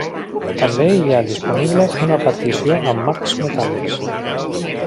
També hi ha disponible una partició amb marcs metàl·lics.